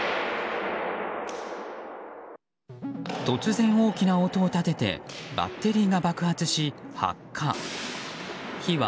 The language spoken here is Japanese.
突然、大きな音を立ててバッテリーが爆発し、発火。